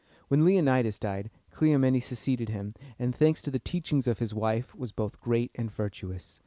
When Leonidas died, Cleomenes succeeded him, and, thanks to the teachings of his wife, was both great and virtuous.